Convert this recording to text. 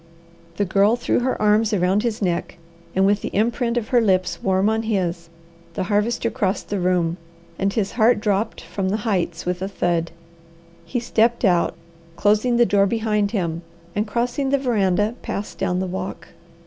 The Girl threw her arms around his neck and with the imprint of her lips warm on his the Harvester crossed the room, and his heart dropped from the heights with a thud. He stepped out, closing the door behind him, and crossing the veranda, passed down the walk.